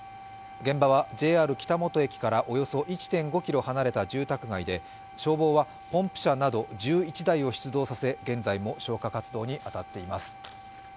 現場はＪＲ北本駅からおよそ１．５ｋｍ離れた住宅街で消防は、ポンプ車など１１台を出動させ、現在も消火活動に当たっています。